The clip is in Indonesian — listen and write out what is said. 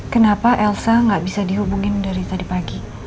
kenapa elsa nggak bisa dihubungin dari tadi pagi